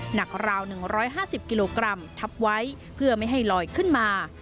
หนักราวหนึ่งร้อยห้าสิบกิโลกรัมทับไว้เพื่อไม่ให้ลอยขึ้นมา